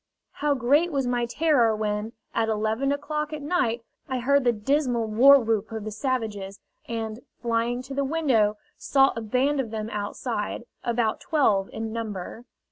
How great was my terror when, at eleven o'clock at night, I heard the dismal warwhoop of the savages, and, flying to the window, saw a band of them outside, about twelve in number.